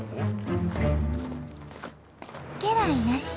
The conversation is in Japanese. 家来なし。